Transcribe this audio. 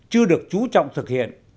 chưa được chú trọng thực hiện